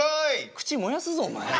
口燃やすぞお前。